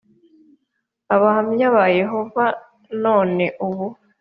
abahamya ba yehova none ubu